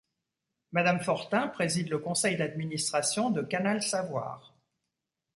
Madame Fortin préside le conseil d'administration de Canal Savoir.